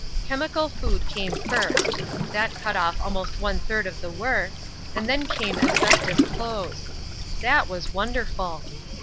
Chemical Food came first: that cut off almost one third of the work, and then came Asbestos Clothes. That was wonderful!